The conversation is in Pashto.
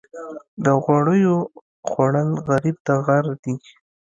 د غوړیو خوړل غریب ته غر دي.